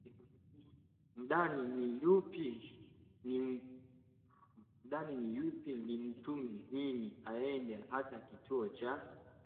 ndani? Ni yupi nimtume mimi aende hata kituo cha